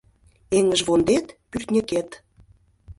Эҥыжвондет — пӱртньыкет